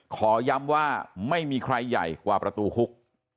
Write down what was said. ขอย้ำว่าไม่มีใครใหญ่กว่าประตูคุก